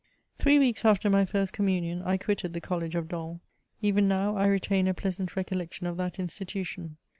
Three weeks after my first communion, I quitted the CoU^ of Dol. Even now I retain a pleasant recollection of that institu^ tion.